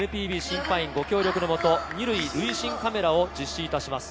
今シーズンはＮＰＢ及びＮＰＢ審判員ご協力のもと、２塁塁審カメラを実施いたします。